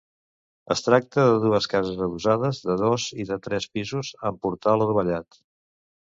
Es tracta de dues cases adossades, de dos i de tres pisos, amb portal adovellat.